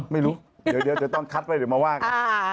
ไม่รู้เดี๋ยวตอนคัดไว้เดี๋ยวมาว่ากัน